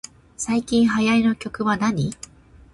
最近流行りの曲はなに